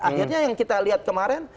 akhirnya yang kita lihat kemarin